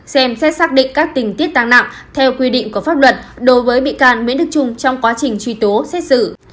xem xét xác định các tình tiết tăng nặng theo quy định của pháp luật đối với bị can nguyễn đức trung trong quá trình truy tố xét xử